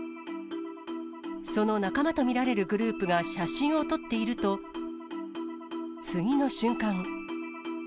その仲間と見られるグループが写真を撮っていると、次の瞬間。